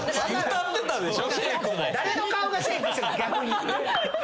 歌ってたでしょ？